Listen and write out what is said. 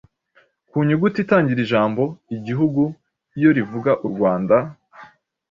Ku nyuguti itangira ijambo “igihugu” iyo rivuga u Rwanda: